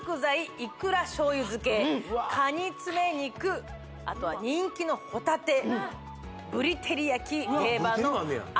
いくら醤油漬けかに爪肉あとは人気の帆立ぶり照焼き定番の味